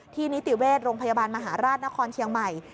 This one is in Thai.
นิติเวชโรงพยาบาลมหาราชนครเชียงใหม่